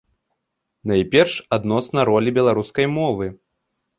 Найперш, адносна ролі беларускай мовы.